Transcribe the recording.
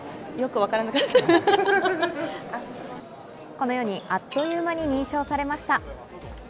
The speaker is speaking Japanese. このようにあっという間に認証されました。